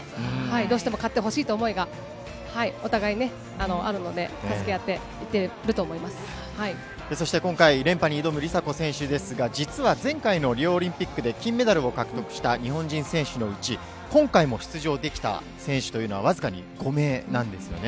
どうしても勝ってほしいという思いが、お互いね、あるので、そして今回、連覇に挑む梨紗子選手ですが、実は前回のリオオリンピックで金メダルを獲得した日本人選手のうち、今回も出場できた選手というのは僅かに５名なんですよね。